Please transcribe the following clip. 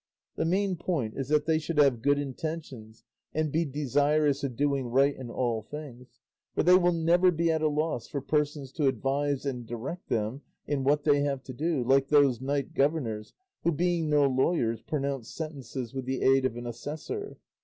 The main point is that they should have good intentions and be desirous of doing right in all things, for they will never be at a loss for persons to advise and direct them in what they have to do, like those knight governors who, being no lawyers, pronounce sentences with the aid of an assessor.